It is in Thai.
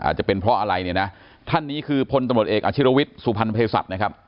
จะเป็นเพราะอะไรเนี่ยนะท่านนี้คือพลตำรวจเอกอาชิรวิทย์สุพรรณเพศัตริย์นะครับ